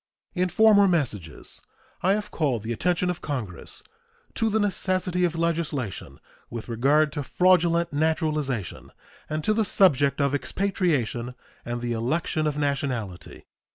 In former messages I have called the attention of Congress to the necessity of legislation with regard to fraudulent naturalization and to the subject of expatriation and the election of nationality.